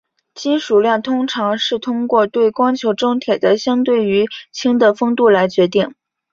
金属量通常是通过对光球中铁的相对于氢的丰度来决定。